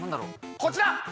こちら！